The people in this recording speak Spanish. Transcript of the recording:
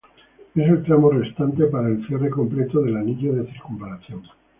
Es el tramo restante para el cierre completo del anillo de circunvalación.